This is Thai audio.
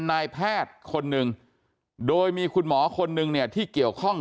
นายแพทย์คนหนึ่งโดยมีคุณหมอคนนึงเนี่ยที่เกี่ยวข้อง